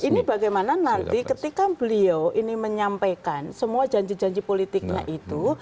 ini bagaimana nanti ketika beliau ini menyampaikan semua janji janji politiknya itu